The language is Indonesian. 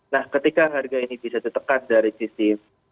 nah ketika harga ini bisa ditekan dari sisi